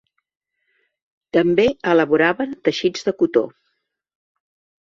També elaboraven teixits de cotó.